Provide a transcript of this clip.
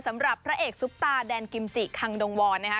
สำหรับพระเอกซุปตาแดนกิมจิคังดงวรนะฮะ